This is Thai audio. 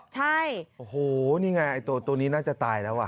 ใช่โอ้โหนี่ไงไอ้ตัวนี้น่าจะตายแล้วอ่ะ